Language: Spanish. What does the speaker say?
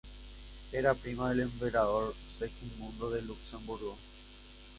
Era prima del Emperador Segismundo de Luxemburgo.